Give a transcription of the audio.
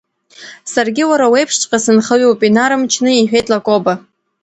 Саргьы уара уеиԥшҵәҟьа сынхаҩуп, инарымчны иҳәеит Лакоба.